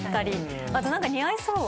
あと何か似合いそう。